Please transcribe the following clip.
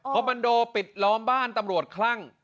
พอมันโดปิดล้อมบ้านตำรวจคลั่ง